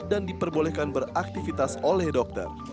dan diperbolehkan beraktifitas oleh dokter